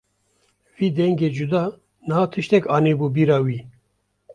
Vî dengê cuda niha tiştek anîbû bîra wî.